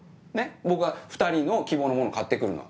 僕は２人の希望のもの買って来るのは。